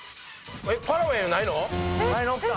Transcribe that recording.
ファラウェイはないの？